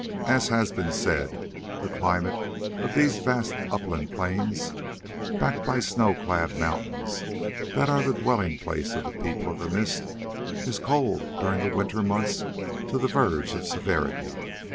As has been said, the climate of these vast upland plains, backed by snow clad mountains, that are the dwelling place of the People of the Mist, is cold during the winter months to the verge of severity.